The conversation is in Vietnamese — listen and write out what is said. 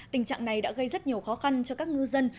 tình trạng này đã gây rất nhiều khó khăn cho các ngư dân